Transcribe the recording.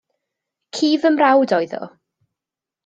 Ci fy mrawd oedd o.